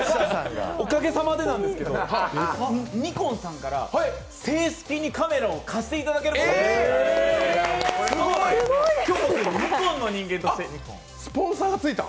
おかげさまなんですけど、ニコンさんから正式にカメラを貸していただけることになりました。